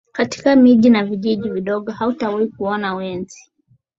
Katika miji na vijiji vidogo hautawahi kuona wenzi